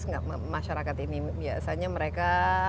enggak masyarakat ini biasanya mereka